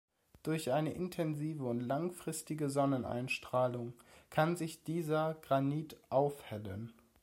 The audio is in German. Durch eine intensive und langfristige Sonneneinstrahlung kann sich dieser Granit aufhellen.